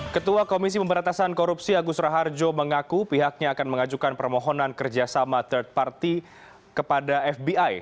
ketua komisi pemberatasan korupsi agus raharjo mengaku pihaknya akan mengajukan permohonan kerjasama third party kepada fbi